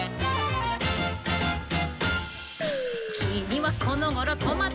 「きみはこのごろトマトだね」